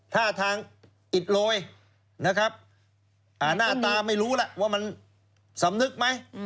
ท่าทางอิดโรยนะครับหน้าตาไม่รู้แหละว่ามันสำนึกไหม